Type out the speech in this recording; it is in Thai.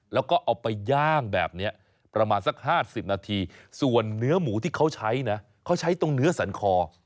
แล้วก็เอาไปย่างแบบนี้ประมาณสัก๕๐นาทีส่วนเนื้อหมูที่เขาใช้นะเขาใช้ตรงเนื้อสันคอ